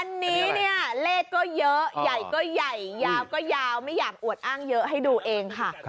อันนี้เนี่ยเลขก็เยอะใหญ่ก็ใหญ่ยาวก็ยาวไม่อยากอวดอ้างเยอะให้ดูเองค่ะ